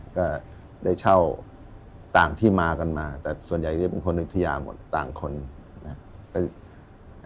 ก็ได้เช่าต่างที่มากันมาแต่ส่วนใหญ่จะเป็นคนอยุธยาหมดต่างคนนะครับ